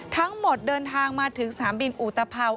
ทั้งหมดเดินทางมาถึงสถานบินอุตาเผา